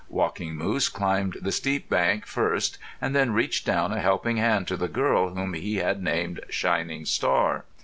Walking Moose climbed the steep bank first and then reached down a helping hand to the girl whom he had named Shining Star.